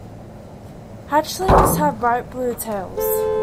Hatchlings have bright blue tails.